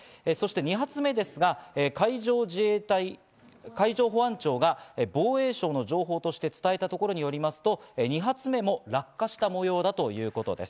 ２発目ですが、海上自衛隊、海上保安庁が防衛省の情報として伝えたところによりますと、２発目も落下した模様だということです。